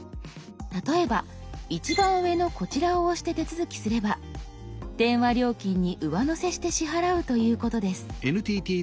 例えば一番上のこちらを押して手続きすれば電話料金に上乗せして支払うということです。